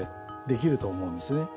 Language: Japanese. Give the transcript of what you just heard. できると思うんですね。